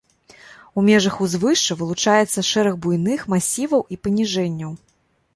У межах узвышша вылучаецца шэраг буйных масіваў і паніжэнняў.